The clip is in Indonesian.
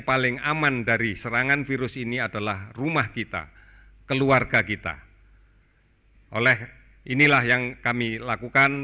paling aman dari serangan virus ini adalah rumah kita keluarga kita oleh inilah yang kami lakukan